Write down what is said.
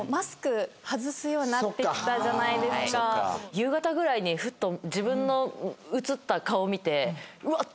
夕方ぐらいにふと自分の映った顔見てうわっ！